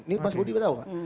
ini mas budi tau gak